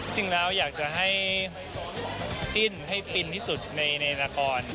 จริงแล้วอยากจะให้จิ้นให้ฟินที่สุดในละคร